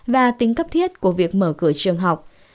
và tính cấp thiết của việc mở cửa trường học